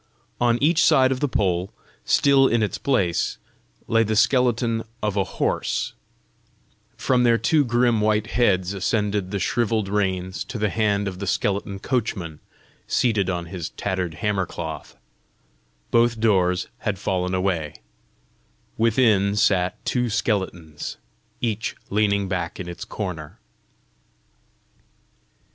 On each side of the pole, still in its place, lay the skeleton of a horse; from their two grim white heads ascended the shrivelled reins to the hand of the skeleton coachman seated on his tattered hammer cloth; both doors had fallen away; within sat two skeletons, each leaning back in its corner.